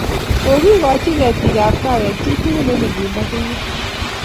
Kogikochi Ketik ab kahawek chiiy tugul eng' olin bo Keiyo